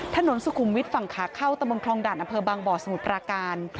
ถนนสุขุมวิทฝั่งข้าเข้าตครองด่านอบสมุทรปราการ